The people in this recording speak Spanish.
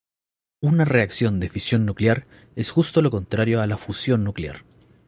Una reacción de fisión nuclear es justo lo contrario de la fusión nuclear.